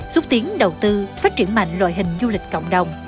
xúc tiến đầu tư phát triển mạnh loại hình du lịch cộng đồng